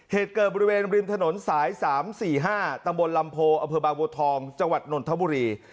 เหตุเกิดบริเวณริมถนนสาย๓๔๕ตำบลลำโพอวทจนธบุรี